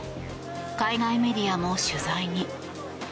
海外メディアも取材に。